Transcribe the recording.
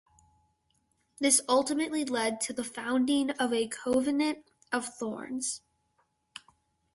This ultimately led to the founding of A Covenant of Thorns.